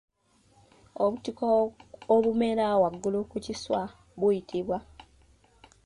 Obutiko obumera waggulu ku kiswa buyitibwa?